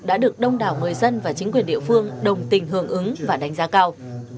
đã được đông đảo người dân và chính quyền địa phương đồng tình hưởng ứng và đánh giá cao